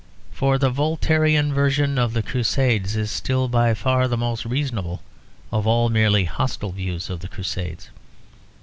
For the Voltairian version of the Crusades is still by far the most reasonable of all merely hostile views of the Crusades.